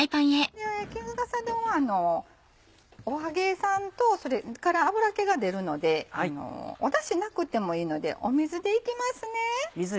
衣笠丼はお揚げさんとそれから油気が出るのでだしなくてもいいので水でいきます。